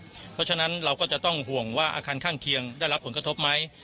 เพราะฉะนั้นเราก็จะต้องห่วงว่าอาคารข้างเคียงได้รับผลกระทบไหม